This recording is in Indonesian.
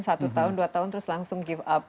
satu tahun dua tahun terus langsung give up